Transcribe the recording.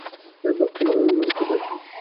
Payback, তোমার উইংম্যান কোথায়?